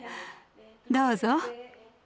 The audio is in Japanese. どうぞ。